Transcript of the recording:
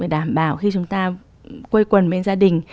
đảm bảo khi chúng ta quây quần bên gia đình